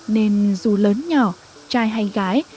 nên dù lớn nhỏ trai hay gái